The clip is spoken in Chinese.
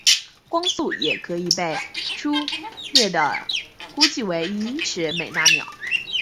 光速也可以被初略地估计为一英尺每纳秒。